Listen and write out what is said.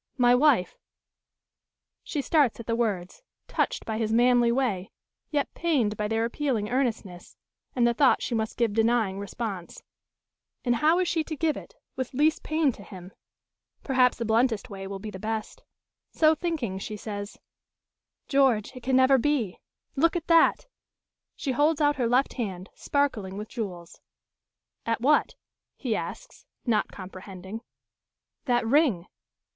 "My wife?" She starts at the words, touched by his manly way, yet pained by their appealing earnestness, and the thought she must give denying response. And how is she to give it, with least pain to him? Perhaps the bluntest way will be the best. So thinking, she says: "George, it can never be. Look at that!" She holds out her left hand, sparkling with jewels. "At what?" he asks, not comprehending. "That ring."